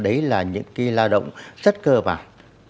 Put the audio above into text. đấy là những cái lao động rất cơ bản